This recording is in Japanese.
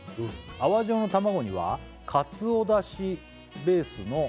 「泡状の卵にはかつお出汁ベースの」